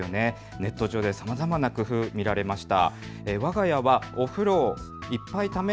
ネット上ではさまざまな工夫、見られました。